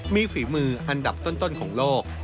มีฝีมืออันดับต้นของโลก